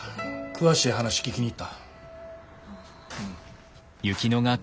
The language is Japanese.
詳しい話聞きに行った。